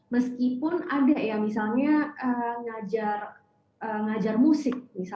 meskipun ada ya misalnya ngajar musik